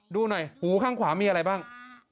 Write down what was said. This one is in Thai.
ดูหน่อยหูข้างขวามีอะไรบ้าง